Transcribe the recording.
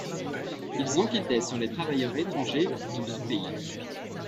Il enquêtait sur les travailleurs étrangers dans ce pays.